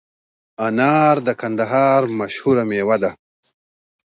انار د کندهار مشهوره مېوه ده